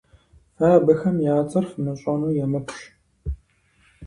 Фэ абыхэм я цӀэр фымыщӀэну емыкӀущ.